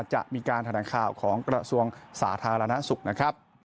จะมีการทางดังข่าวของกระทรวงสาธารณสุข